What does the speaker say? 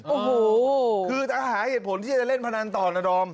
โอ้โหคือถ้าหาเหตุผลที่จะเล่นพนันต่อนะดอม